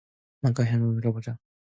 맘껏 힘껏 행복을 빌어나 보자.